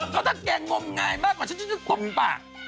ก็ถ้าแกงมงายมากกว่าฉันจะคบปาก